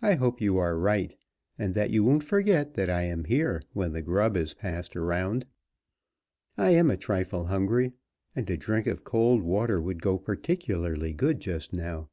I hope you are right, and that you won't forget that I am here when the grub is passed around. I am a trifle hungry, and a drink of cold water would go particularly good just now."